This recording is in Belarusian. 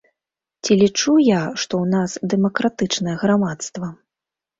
Ці лічу я, што ў нас дэмакратычнае грамадства?